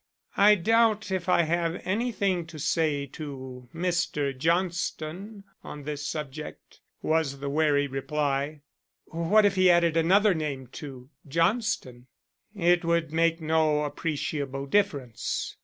"I doubt if I have anything to say to Mr. Johnston on this subject," was the wary reply. "What if he added another name to the Johnston?" "It would make no appreciable difference.